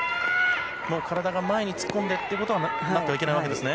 体が前に突っ込んでということはなっちゃいけないわけですね。